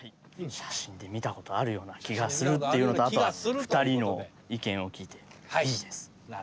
写真で見たことあるような気がするっていうのとあとは２人の意見を聞いてＢです。